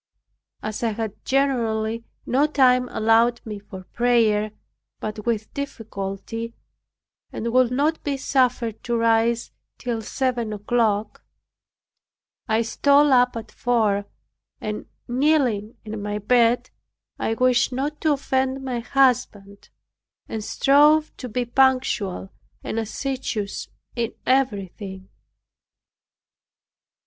As I had generally no time allowed me for prayer but with difficulty, and would not be suffered to rise till seven o'clock, I stole up at four, and kneeling in my bed, I wished not to offend my husband and strove to be punctual and assiduous in everything.